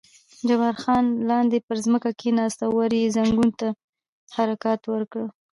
جبار خان لاندې پر ځمکه کېناست او ورو یې زنګون ته حرکات ورکړل.